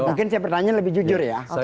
mungkin saya bertanya lebih jujur ya